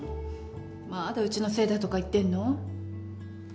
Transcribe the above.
まだうちのせいだとか言ってんの？